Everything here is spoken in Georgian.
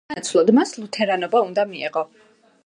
სანაცვლოდ მას ლუთერანობა უნდა მიეღო.